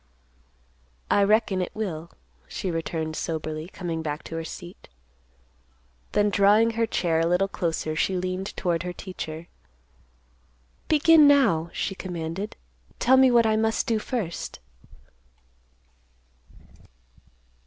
"I reckon it will," she returned soberly, coming back to her seat. Then drawing her chair a little closer, she leaned toward her teacher, "Begin now," she commanded. "Tell me what I must do first."